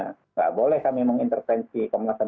tidak boleh kami mengintervensi kematian